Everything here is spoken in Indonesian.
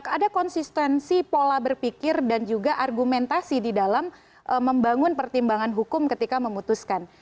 ada konsistensi pola berpikir dan juga argumentasi di dalam membangun pertimbangan hukum ketika memutuskan